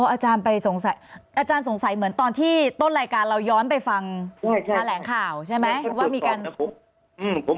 อาจารย์ไปสงสัยอาจารย์สงสัยเหมือนตอนที่ต้นรายการเราย้อนไปฟังแถลงข่าวใช่ไหม